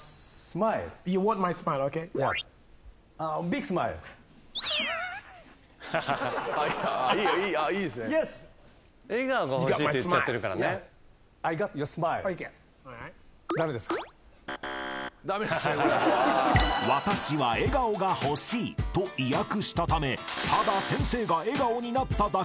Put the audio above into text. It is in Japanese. ［「私は笑顔が欲しい」と意訳したためただ先生が笑顔になっただけという結果で不正解］